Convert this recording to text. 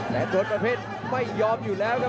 แต่โดนประเภทไม่ยอมอยู่แล้วครับ